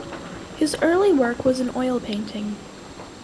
His early work was in oil painting.